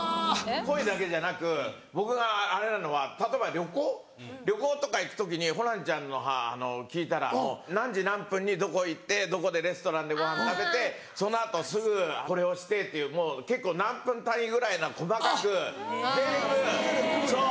恋だけじゃなく僕があれなのは例えば旅行旅行とか行く時にホランちゃんの聞いたら何時何分にどこ行ってどこでレストランでご飯食べてその後すぐこれをしてっていうもう結構何分単位ぐらいな細かく全部そう。